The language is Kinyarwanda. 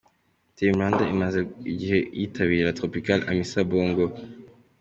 Team Rwanda imaze igihe yitabira La Tropicale Amissa Bongo.